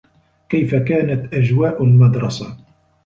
كيف كانت أجواء المدرسة ؟